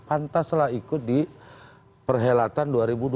pantaslah ikut di perhelatan dua ribu dua puluh